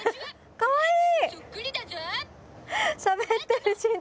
かわいい。